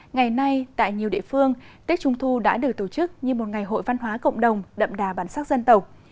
ngày nay tại nhiều địa phương tết trung thu đã được tổ chức như một ngày hội văn hóa cộng đồng đậm đà bản sắc dân tộc